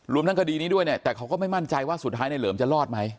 ทั้งคดีนี้ด้วยเนี่ยแต่เขาก็ไม่มั่นใจว่าสุดท้ายในเหลิมจะรอดไหม